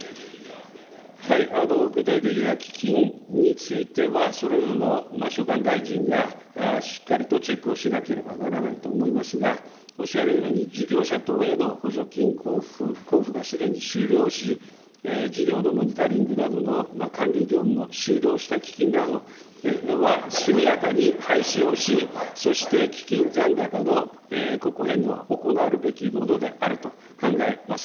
具体的な基金については、それぞれの所管大臣がしっかりとチェックをしなければならないと思いますが、おっしゃるように事業者等への補助金交付がすでに終了し、事業のモニタリングなどの管理業務も終了した基金などは速やかに廃止をし、そして基金残高の国庫返納は行われるべきものと考えます。